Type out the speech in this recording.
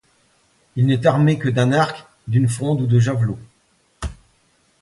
Il n'est armé que d'un arc, d'une fronde ou de javelots.